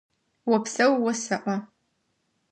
Опсэу осэӏо!